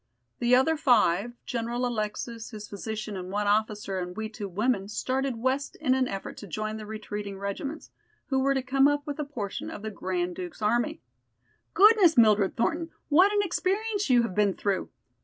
The other five, General Alexis, his physician, and one officer and we two women started west in an effort to join the retreating regiments, who were to come up with a portion of the Grand Duke's army." "Goodness, Mildred Thornton, what an experience you have been through!"